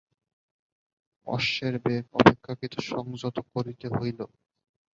অশ্বের বেগ অপেক্ষাকৃত সংযত করিতে হইল।